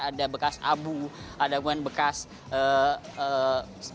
ada bekas abu ada bekas balik